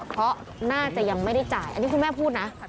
เพราะน่าจะยังไม่ได้จ่ายอันนี้คุณแม่พูดนะ